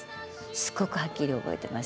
すごくはっきり覚えてますね。